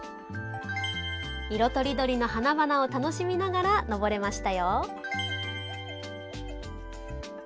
色とりどりの花々を楽しみながら登れましたよ。